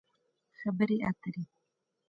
خبرې اترې